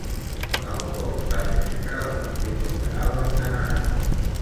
Alcock va ser membre del Partit Liberal del Canadà.